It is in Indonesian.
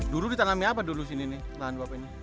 dulu ditanami apa dulu sini nih lahan apa ini